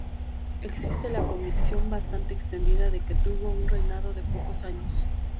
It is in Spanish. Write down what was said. Existe la convicción, bastante extendida, de que tuvo un reinado de pocos años.